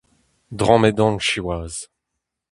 Drammet on siwazh !